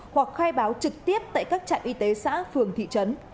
hoặc khai báo trực tiếp tại các trạm y tế xã phường thị trấn